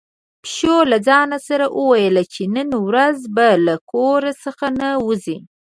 پيشو له ځان سره ویل چې نن ورځ به له کور څخه نه وځي.